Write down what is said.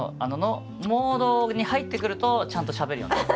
モードに入ってくるとちゃんとしゃべるようになる。